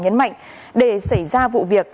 nhấn mạnh để xảy ra vụ việc